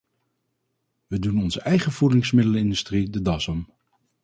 We doen onze eigen voedingsmiddelenindustrie de das om.